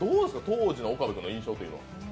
当時の岡部君の印象というのは？